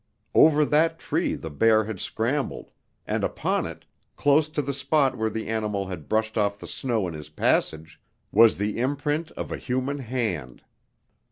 Over that tree the bear had scrambled, and upon it, close to the spot where the animal had brushed off the snow in his passage, was the imprint of a human hand!